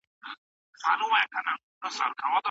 که لارښود استاد ونه لرئ له زیاتو ستونزو سره مخ کيږئ.